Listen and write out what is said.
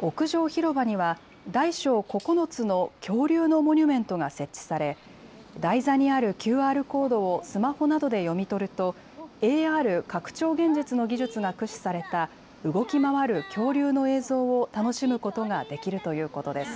屋上広場には大小９つの恐竜のモニュメントが設置され台座にあるＱＲコードをスマホなどで読み取るとＡＲ・拡張現実の技術が駆使された動き回る恐竜の映像を楽しむことができるということです。